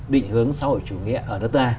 định hướng xã hội chủ nghĩa ở nước ta